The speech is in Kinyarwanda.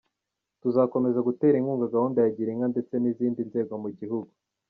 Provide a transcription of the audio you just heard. Tuzakomeza gutera inkunga gahunda ya girinka ndetse n’izindi nzego mu gihugu.